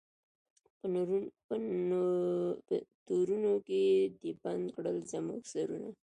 په تورونو کي دي بند کړل زموږ سرونه